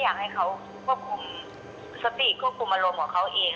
อยากให้เขาควบคุมสติควบคุมอารมณ์ของเขาเอง